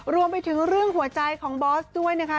รวมไปถึงเรื่องหัวใจของบอสด้วยนะคะ